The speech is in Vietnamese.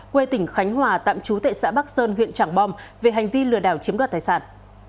quê tỉnh khánh hòa tạm trú tại xã bắc sơn huyện trảng bom về hành vi lừa đảo chiếm đoạt tài sản